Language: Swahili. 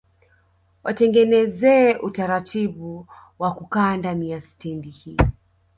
Watengenezee utaratibu wa kukaa ndani ya stendi hii